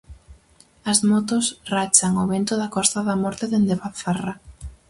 As motos rachan o vento da Costa da Morte dende Bazarra.